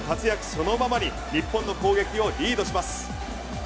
そのままに日本の攻撃をリードします。